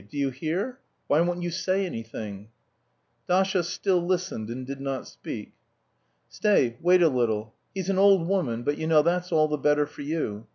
"Do you hear? Why won't you say something?" Dasha still listened and did not speak. "Stay, wait a little. He's an old woman, but you know, that's all the better for you.